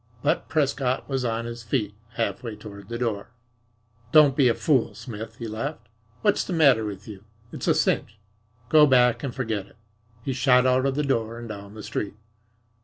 But Prescott was on his feet, half way toward the door. "Don't be a fool, Smith," he laughed. "What's the matter with you? It's a cinch. Go back and forget it." He shot out of the door and down the street.